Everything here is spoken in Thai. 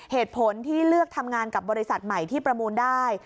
เหตุผลที่เลือกทำงานกับบริษัทใหม่ที่ประมูลได้